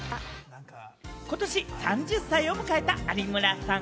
ことし３０歳を迎えた有村さん。